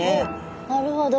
なるほど。